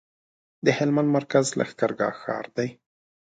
د هلمند مرکز لښکرګاه ښار دی